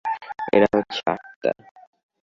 এরা হচ্ছে আত্মা।